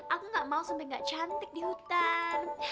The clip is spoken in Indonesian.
aku gak mau sampai gak cantik di hutan